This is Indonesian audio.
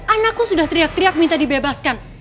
anakku sudah teriak teriak minta dibebaskan